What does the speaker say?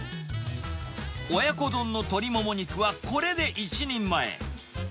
親子丼の鶏もも肉は、これで１人前。